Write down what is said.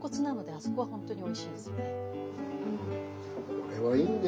これはいいね。